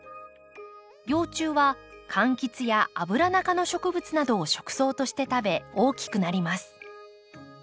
幼虫は柑橘やアブラナ科の植物などを食草として食べ大きくなります。